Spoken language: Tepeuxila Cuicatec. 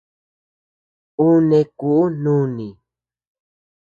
Ú neʼe kuʼu nùni.